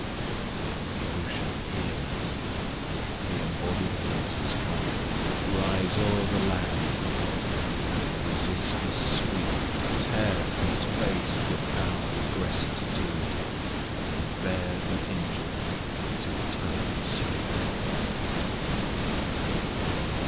The Ocean hears The embodied waters come Rise o'er the land, and with resistless sweep Tear from its base the proud aggressor's tomb, And bear the injured to eternal sleep.